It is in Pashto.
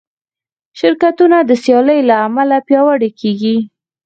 شرکتونه د سیالۍ له امله پیاوړي کېږي.